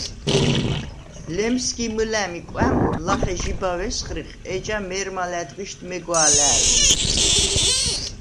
ლემსგი მჷლა̈მ ი კვა̈მ ლახე ჟიბავ ესღრიხ, ეჯა მე̄რმა ლა̈დღიშდ მეგვა̄ლა̄̈ლ ლი.